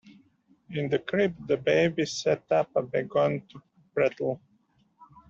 In the crib the baby sat up and began to prattle.